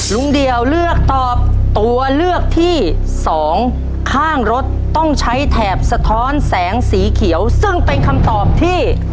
เดี่ยวเลือกตอบตัวเลือกที่สองข้างรถต้องใช้แถบสะท้อนแสงสีเขียวซึ่งเป็นคำตอบที่